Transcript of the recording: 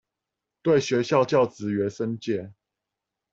對學校教職員申誡